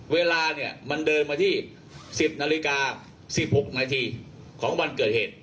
เวลาเนี่ยมันเดินมาที่๑๐นาฬิกา๑๖นาทีของวันเกิดเหตุ